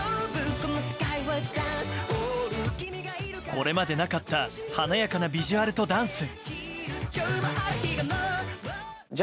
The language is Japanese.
これまでなかった華やかなビジュアルとダンス。